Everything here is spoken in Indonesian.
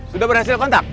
sudah berhasil kontak